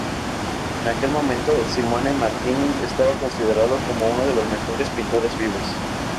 En aquel momento Simone Martini estaba considerado como uno de los mejores pintores vivos.